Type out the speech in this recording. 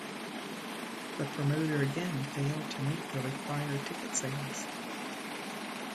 The promoter again failed to meet the required ticket sales.